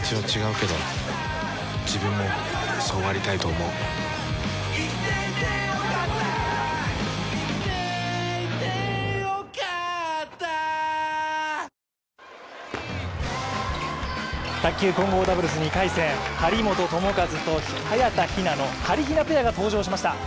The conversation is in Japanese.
ひろうって偉大だな卓球・混合団体２回戦、張本智和と早田ひなのはりひなペアが登場しました。